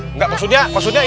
enggak maksudnya ini